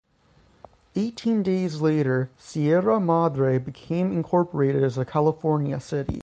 Eighteen days later, Sierra Madre became incorporated as a California city.